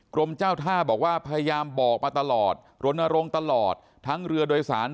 กรมเจ้าท่าบอกว่าพยายามบอกมาตลอดรณรงค์ตลอดทั้งเรือโดยสาร